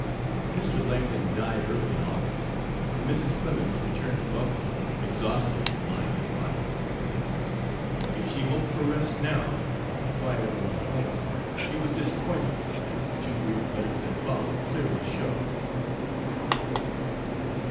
Mr. Langdon died early in August, and Mrs. Clemens returned to Buffalo, exhausted in mind and body. If she hoped for rest now, in the quiet of her own home, she was disappointed, as the two brief letters that follow clearly show.